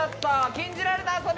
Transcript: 「禁じられた遊び」